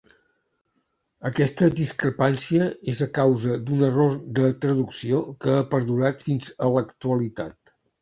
Aquesta discrepància és a causa d'un error de traducció que ha perdurat fins a l'actualitat.